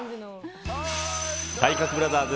体格ブラザーズ